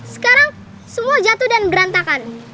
sekarang semua jatuh dan berantakan